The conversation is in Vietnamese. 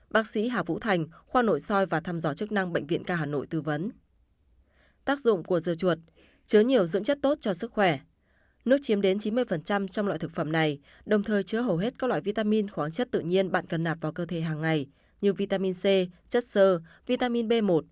bác sĩ hà vũ thành khoa nội soi và thăm dò chức năng bệnh viện ca hà nội tư vấn c chất